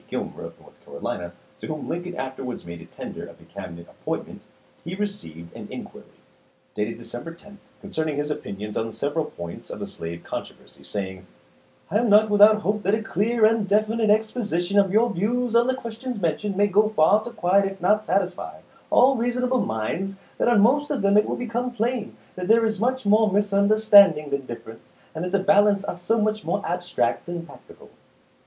Gilmer, of North Carolina, to whom Lincoln afterwards made a tender of a Cabinet appoint 284 ABRAHAM LINCOLN ch. xviii. ment, he received an inquiry, dated December 10, concerning his opinions on several points of the slavery controversy, saying: "I am not without hope that a clear and definite exposition of your views on the questions mentioned may go far to quiet, if not satisfy, all reasonable minds ; that on most of them it will become plain that there is much more misunderstanding than difference, and that the balance are so much more abstract than practical."